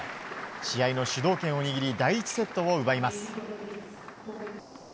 試合の主導権を握り第１セットを奪います。